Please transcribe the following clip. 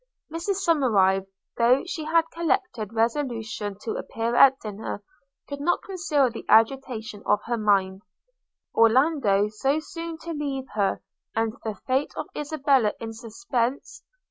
Mrs Somerive, though she had collected resolution to appear at dinner, could not conceal the agitation of her mind – Orlando so soon to leave her, and the fate of Isabella in suspense!